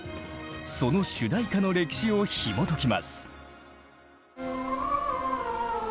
その主題歌の歴史をひもときます。